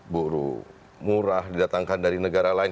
buruh murah didatangkan dari negara lain